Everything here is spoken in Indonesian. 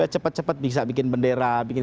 cepet cepet bisa bikin bendera bikin